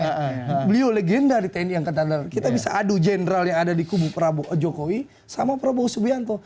itu legenda di tni angkatanar kita bisa adu jenderal yang ada di kubu prabowo jokowi sama prabowo subianto